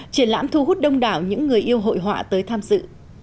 triển lãm thu hút đông đảo những người yêu hội họa tới tham dự